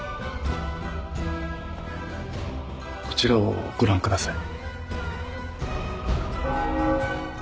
こちらをご覧ください。